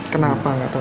kenapa nggak tahu